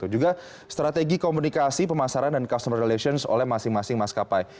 juga strategi komunikasi pemasaran dan customer relations oleh masing masing maskapai